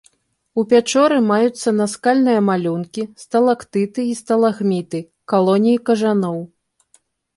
У пячоры маюцца наскальныя малюнкі, сталактыты і сталагміты, калоніі кажаноў.